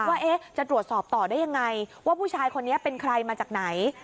ว่าจะตรวจสอบต่อได้ยังไงว่าผู้ชายคนนี้เป็นใครมาจากไหน